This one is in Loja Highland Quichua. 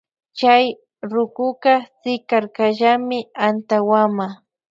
Chay rukuka sikarkallami antawama.